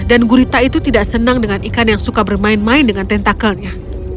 dan gurita itu tidak senang dengan ikan yang suka bermain main dengan tentakelnya